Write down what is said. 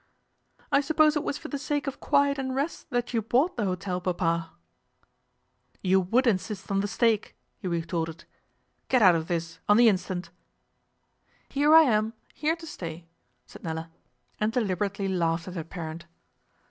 'I suppose it was for the sake of quiet and rest that you bought the hotel, Papa?' 'You would insist on the steak,' he retorted. 'Get out of this, on the instant.' 'Here I am, here to stay,' said Nella, and deliberately laughed at her parent.